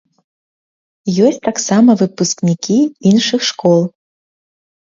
Ёсць таксама выпускнікі іншых школ.